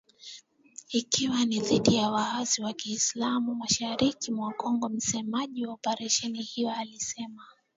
Ikiwa ni dhidi ya waasi wa kiislam mashariki mwa Kongo msemaji wa operesheni hiyo alisema.